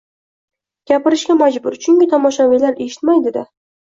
Gapirishga majbur, chunki tomoshabinlar eshitmaydi-da.